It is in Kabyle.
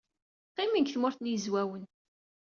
Qqimen deg Tmurt n Yizwawen.